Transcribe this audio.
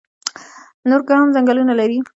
نورګرام ځنګلونه لري؟